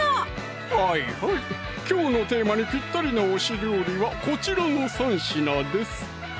はいはいきょうのテーマにぴったりな推し料理はこちらの３品です